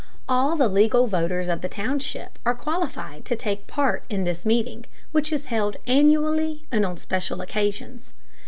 All the legal voters of the township are qualified to take part in this meeting, which is held annually and on special occasions.